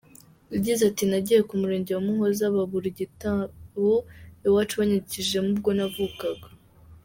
Yagize ati “Nagiye ku Murenge wa Muhoza babura igitabo iwacu banyandikishijemo ubwo navukaga.